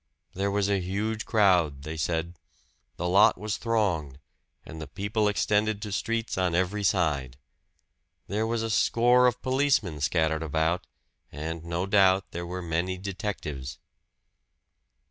There was a huge crowd, they said the lot was thronged, and the people extended to streets on every side. There was a score of policemen scattered about, and no doubt there were many detectives.